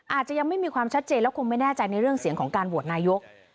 อาจจะยังไม่มีความชัดเจนและคงไม่แน่ใจในเรื่องเสียงของการโหวตนายก